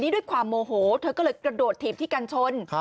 ด้วยความโมโหเธอก็เลยกระโดดถีบที่กันชน